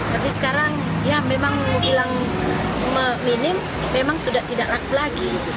tapi sekarang ya memang hilang semua minim memang sudah tidak laku lagi